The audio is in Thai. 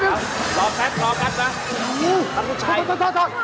ถือน้ำแดงด้วยค่ะ